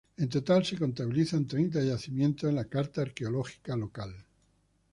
En total se contabilizan treinta yacimientos en la Carta Arqueológica local.